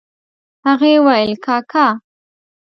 هغې وويل کاکا.